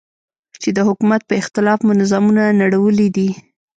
چې د حکومت په اختلاف مو نظامونه نړولي دي.